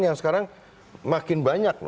yang sekarang makin banyak